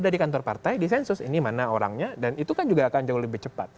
jadi kalau diadakan di sensus ini mana orangnya dan itu kan juga akan jauh lebih cepat